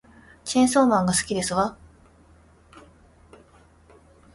チェーンソーマンが好きですわ